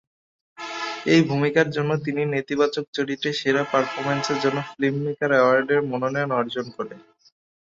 এই ভূমিকার জন্য তিনি নেতিবাচক চরিত্রে সেরা পারফরম্যান্সের জন্য ফিল্মফেয়ার অ্যাওয়ার্ডের মনোনয়ন অর্জন করে।